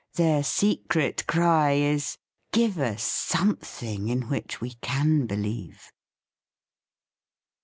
Their secret cry is: "Give us something in which we can believe."